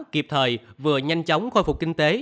kịp thời vừa nhanh chóng khôi phục kinh tế